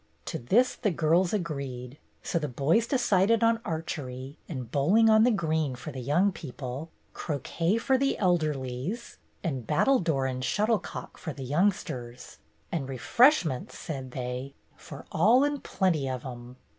To this the girls agreed, so the boys decided on archery and bowling on the green for the young people, croquet for the elderlies, and battledore and shuttlecock for the youngsters, and refreshments, said they, for all and plenty of 'em.